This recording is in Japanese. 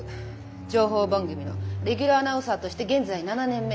情報番組のレギュラーアナウンサーとして現在７年目。